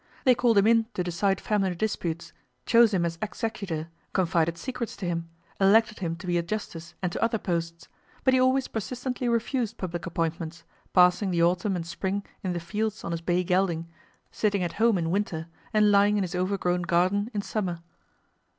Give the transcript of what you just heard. They called him in to decide family disputes, chose him as executor, confided secrets to him, elected him to be a justice and to other posts; but he always persistently refused public appointments, passing the autumn and spring in the fields on his bay gelding, sitting at home in winter, and lying in his overgrown garden in summer.